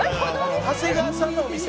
「長谷川さんのお店？」